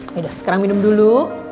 yaudah sekarang minum dulu